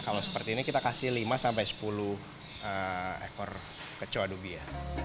kalau seperti ini kita kasih lima sampai sepuluh ekor kecoa dubia